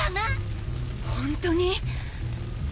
ホントに！？